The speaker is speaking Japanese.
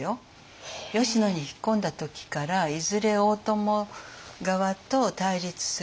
吉野に引っ込んだ時からいずれ大友側と対立すると。